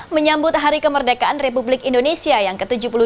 menyambut hari kemerdekaan republik indonesia yang ke tujuh puluh dua